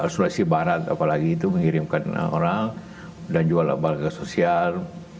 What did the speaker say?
sulawesi barat apalagi itu mengirimkan orang dan jual lembaga sosial